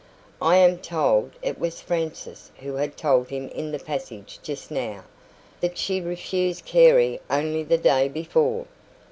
"I am told" it was Frances who had told him in the passage just now "that she refused Carey only the day before."